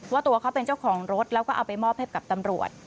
ว่าตัวเขาเป็นเจ้าของรถแล้วก็เอาไปมอบให้กับตำรวจ